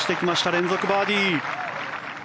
連続バーディー！